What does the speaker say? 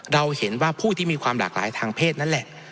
เราเห็นว่าผู้ที่มีความหลากหลายทางเพศนั่นแหละ